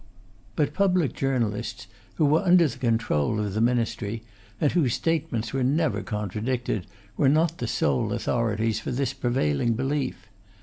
But public journalists who were under the control of the ministry, and whose statements were never contradicted, were not the sole authorities for this prevailing belief.